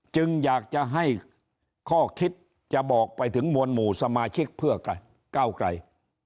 จึงอยากจะให้ข้อคิดจะบอกไปถึงมวลหมู่สมาชิกเพื่อก้าวไกล